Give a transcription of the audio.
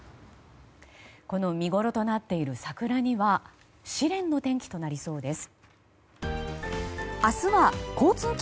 見ごろとなっている桜には試練の天気となりそうです。